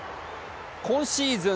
今シーズン